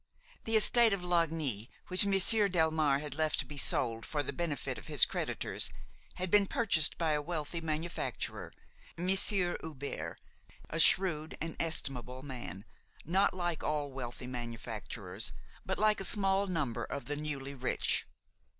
The estate of Lagny, which Monsieur Delmare had left to be sold for the benefit of his creditors, had been purchased by a wealthy manufacturer, Monsieur Hubert, a shrewd and estimable man, not like all wealthy manufacturers, but like a small number of the newly rich.